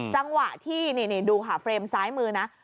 จังหวะที่นี่ดูค่ะเฟรมซ้ายมือนะ